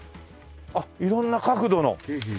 あっ色んな角度の。